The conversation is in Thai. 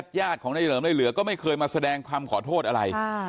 ญาติของนายเหลิมในเหลือก็ไม่เคยมาแสดงความขอโทษอะไร